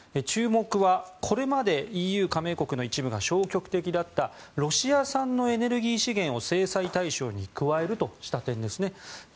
注目はこれまでＥＵ加盟国の一部が消極的だったロシア産のエネルギー資源を制裁対象に加えるとした点です。